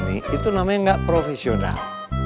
itu namanya nggak profesional